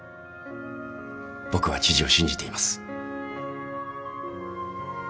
僕は知事を信じています。